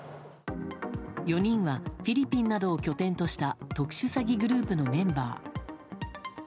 ４人がフィリピンなどを拠点とした特殊詐欺グループのメンバー。